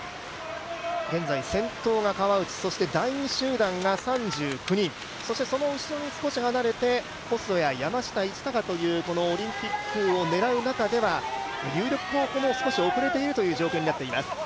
現在先頭が川内、そして第２集団が３９人、そしてその後ろに少し遅れて、細谷山下一貴というこのオリンピックを狙う中では有力候補も少し遅れているという状況になっています。